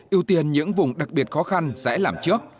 ưu tiên những vùng đặc biệt khó khăn sẽ làm trước